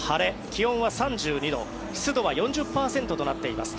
気温は３２度湿度は４０％となっています。